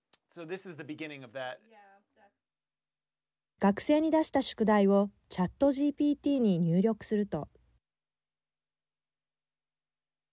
学生に出した宿題をＣｈａｔＧＰＴに入力すると。